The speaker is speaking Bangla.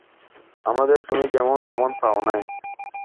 আমাদের তুমি যেমন তেমন পাও নাই।